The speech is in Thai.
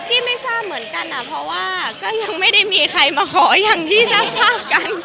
พี่ไม่ทราบเหมือนกันเพราะว่าก็ยังไม่ได้มีใครมาขออย่างที่ทราบกัน